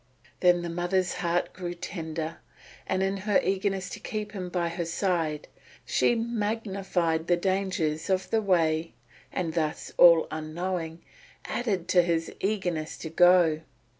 Then the mother's heart grew tender, and in her eagerness to keep him by her side she magnified the dangers of the way and thus, all unknowing, added to his eagerness to go.